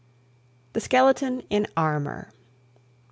THE SKELETON IN ARMOUR.